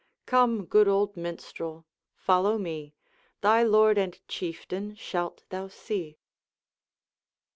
Come, good old Minstrel, follow me; Thy Lord and Chieftain shalt thou see.'